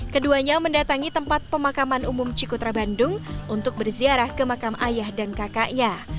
keduanya mendatangi tempat pemakaman umum cikutra bandung untuk berziarah ke makam ayah dan kakaknya